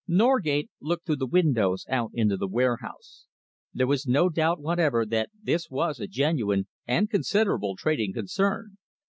Norgate looked through the windows out into the warehouse. There was no doubt whatever that this was a genuine and considerable trading concern.